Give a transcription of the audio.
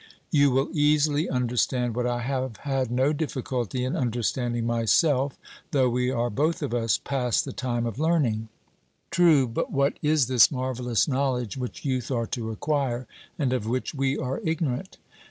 You will easily understand what I have had no difficulty in understanding myself, though we are both of us past the time of learning. 'True; but what is this marvellous knowledge which youth are to acquire, and of which we are ignorant?'